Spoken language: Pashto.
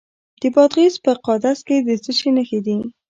د بادغیس په قادس کې د څه شي نښې دي؟